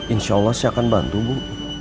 insya allah saya akan bantu bu